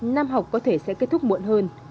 năm học có thể sẽ kết thúc muộn hơn